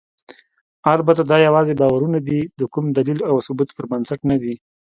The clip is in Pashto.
البته دا یواځې باورونه دي، د کوم دلیل او ثبوت پر بنسټ نه دي.